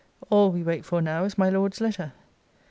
All we wait for now is my Lord's letter.